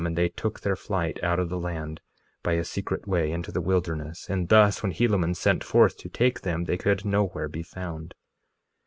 And they took their flight out of the land, by a secret way, into the wilderness; and thus when Helaman sent forth to take them they could nowhere be found.